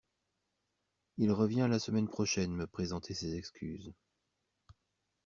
il revient la semaine prochaine me présenter ses excuses